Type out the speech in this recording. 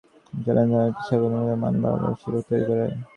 এখন চ্যালেঞ্জ হচ্ছে পেশার গুণগত মান বাড়ানো ও শিক্ষক তৈরি করা।